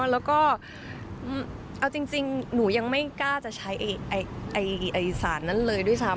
แล้วก็เอาจริงหนูยังไม่กล้าจะใช้สารนั้นเลยด้วยซ้ำ